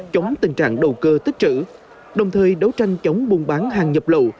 chống tình trạng đầu cơ tích trữ đồng thời đấu tranh chống buôn bán hàng nhập lậu